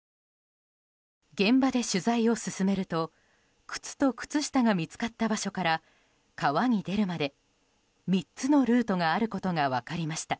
現場で取材を進めると靴と靴下が見つかった場所から川に出るまで３つのルートがあることが分かりました。